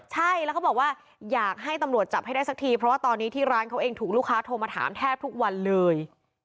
ใช่แล้วเขาบอกว่าอยากให้ตำรวจจับให้ได้สักทีเพราะว่าตอนนี้ที่ร้านเขาเองถูกลูกค้าโทรมาถามแทบทุกวันเลย